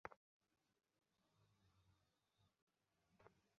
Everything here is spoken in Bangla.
আমি এভাবেই কাজ করি।